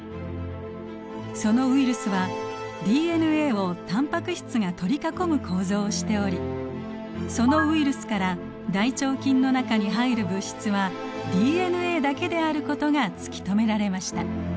そのウイルスはＤＮＡをタンパク質が取り囲む構造をしておりそのウイルスから大腸菌の中に入る物質はＤＮＡだけであることが突き止められました。